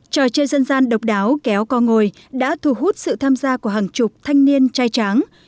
trò chơi dân gian độc đáo kéo co ngồi đã thu hút sự tham gia của hàng chục thanh niên trai tráng